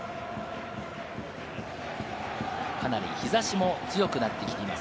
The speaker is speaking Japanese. かなり日差しも強くなってきています。